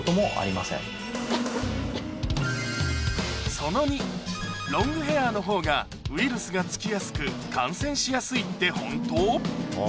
その２ロングヘアのほうがウイルスがつきやすく感染しやすいってホント？